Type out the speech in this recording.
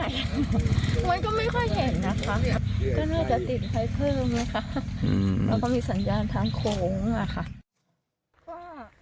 มันก็ไม่ค่อยเห็นนะคะก็น่าจะติดใครเพิ่มนะคะแล้วก็มีสัญญาณทางโค้งอ่ะค่ะ